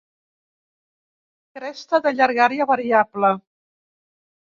Cresta de llargària variable.